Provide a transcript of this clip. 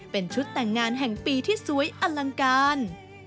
เป็นชุดแต่งงานแห่งปีที่สวยอลังการ